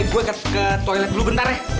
gue ke toilet dulu bentar ya